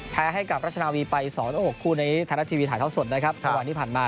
แพ้ให้กับรัชนาวีไปอีก๒๖คู่ในนี้ธนาทีวีถ่ายเท่าสดนะครับประวัติที่ผ่านมา